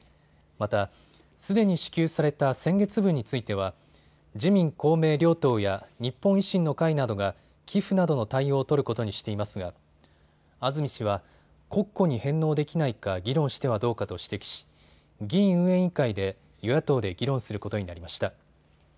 また、すでに支給された先月分については自民公明両党や日本維新の会などが寄付などの対応を取ることにしていますが安住氏は国庫に返納できないか議論してはどうかと指摘し議院運営委員会で与野党で議論することになりました。